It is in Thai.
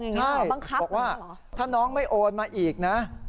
ใช่บอกว่าถ้าน้องไม่โอนมาอีกนะ